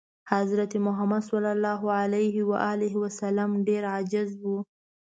حضرت محمد ﷺ ډېر عاجز و.